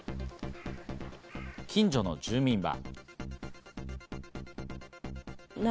近所の住民は。